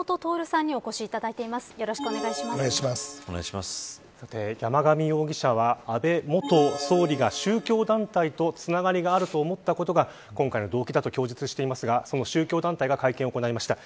さて、山上容疑者は安倍元総理が宗教団体とつながりがあると思ったことが今回の動機だと供述していますがその宗教団体が会見を行いました。